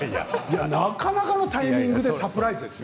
なかなかのタイミングでサプライズですよ。